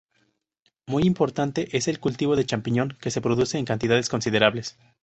Muy importante es el cultivo de champiñón que se produce en cantidades considerables.